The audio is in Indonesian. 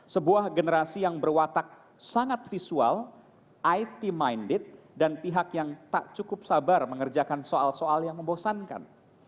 sebuah generasi yang berwatak sangat visual it minded dan pihak yang tak cukup sabar mengerjakan soal soal yang membosankan